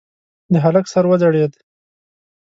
د هلک سر وځړېد.